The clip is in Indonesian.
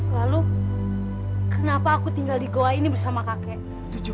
lalu kenapa aku tinggal di goa ini bersama kakek